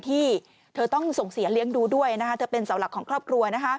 ที่เธอต้องส่งเสียเลี้ยงดูด้วยนะคะเธอเป็นเสาหลักของครอบครัว